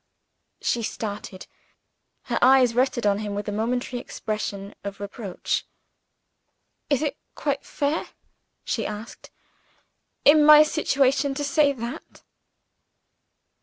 She started. Her eyes rested on him with a momentary expression of reproach. "Is it quite fair," she asked, "in my situation, to say that?"